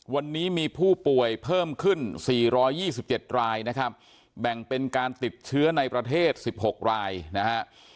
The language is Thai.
วันนี้มีผู้ป่วยเพิ่มขึ้น๔๒๗รายนะครับแบ่งเป็นการติดเชื้อในประเทศ๑๖รายนะฮะ